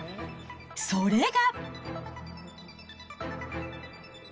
それが。